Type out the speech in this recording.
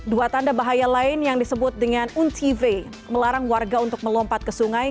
dua tanda bahaya lain yang disebut dengan untive melarang warga untuk melompat ke sungai